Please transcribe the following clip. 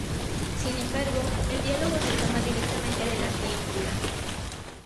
Sin embargo, el diálogo se toma directamente de las películas.